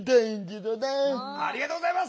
ありがとうございます！